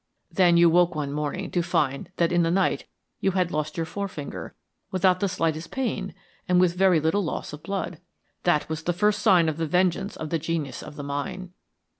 Then you woke one morning to find that in the night you had lost your forefinger without the slightest pain and with very little loss of blood. That was the first sign of the vengeance of the genius of the mine.